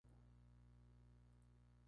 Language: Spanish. Come diatomeas, algas y semillas.